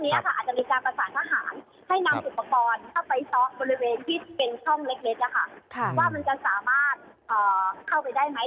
เขาบอกว่าเดี๋ยวพรุ่งนี้อาจมีการกระสาททหารให้นำอุปกรณ์เข้าไปสอบบริเวณที่เป็นช่องเล็กว่ามันจะสามารถเข้าไปได้ไหม